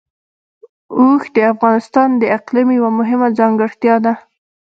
اوښ د افغانستان د اقلیم یوه مهمه ځانګړتیا ده.